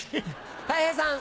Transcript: たい平さん。